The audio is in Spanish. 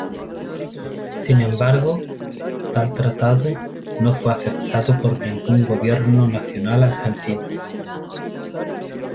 Sin embargo, tal tratado no fue aceptado por ningún gobierno nacional argentino.